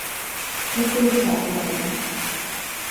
Көтөү шатлығы